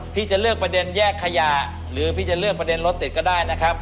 พี่จะเลือกประเด็นแยกขยะหรือพี่จะเลือกประเด็นรถติดก็ได้นะครับ